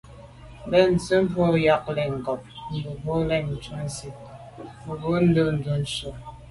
Bə̀nntʉ̌n tsə̀ bò yα̂ lɛ̌n ncob mə̀bwɔ lα ghʉ̌ cû ntʉ̀n nə̀ zi’tə bwə, mə̀bwɔ̂mə̀bwɔ ndɛ̂ncû nswə.